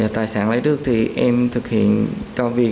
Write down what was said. tài sản lấy nước thì em thực hiện cho việc